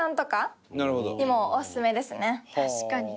確かに。